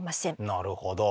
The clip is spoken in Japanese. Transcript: なるほど。